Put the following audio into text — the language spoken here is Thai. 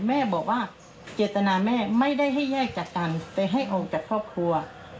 แม่บอกว่าเจตนาแม่ไม่ได้ให้แยกจากกันไปให้ออกจากครอบครัว